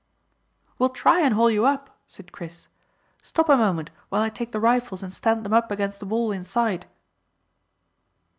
"We'll try and haul you up," said Chris. "Stop a moment while I take the rifles and stand them up against the wall inside."